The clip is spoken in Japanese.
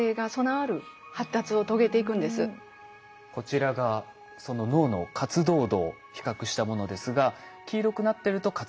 こちらがその脳の活動度を比較したものですが黄色くなってると活動しているということですよね。